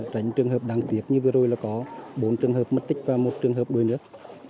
tránh trường hợp đáng tiếc như vừa rồi là có bốn trường hợp mất tích và một trường hợp đuối nước